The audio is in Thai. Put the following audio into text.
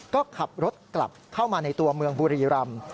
ก็ขับรถกลับเข้ามาในตัวเมืองบุรีรำ